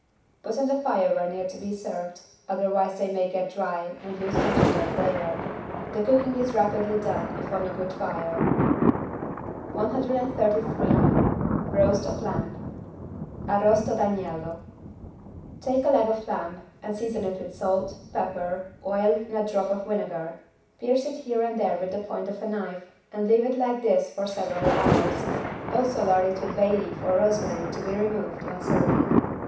Put on the fire when near to be served, otherwise they may get dry and lose much of their flavor. The cooking is rapidly done if on a good fire. 133 ROAST OF LAMB (Arrosto d'agnello) Take a leg of lamb and season it with salt, pepper, oil and a drop of vinegar. Pierce it here and there with the point of a knife and leave it like this for several hours. Also lard it with bay leaf or rosemary to be removed when serving.